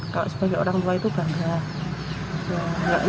kalau sebagai orang tua itu bangga